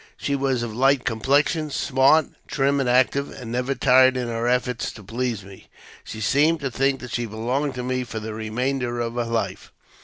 She was of light complexion^ smart, trim and active, and never tired in her efforts to please me, she seeming to think that she belonged to me for the remainder of her life.